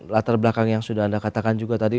latar belakang yang sudah anda katakan juga tadi